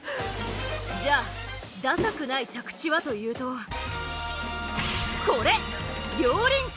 じゃあダサくない着地はというとこれ！